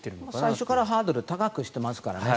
最初からハードルを高くしてますからね。